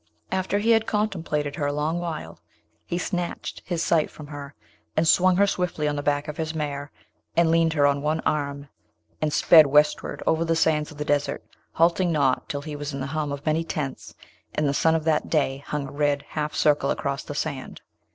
After he had contemplated her longwhile, he snatched his sight from her, and swung her swiftly on the back of his mare, and leaned her on one arm, and sped westward over the sands of the desert, halting not till he was in the hum of many tents, and the sun of that day hung a red half circle across the sand.